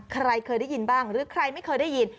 ใครเคยได้ยินบ้างหรือใครไม่เคยได้ยิน